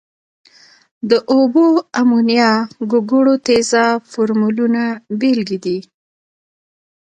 د اوبو، امونیا، ګوګړو تیزاب فورمولونه بیلګې دي.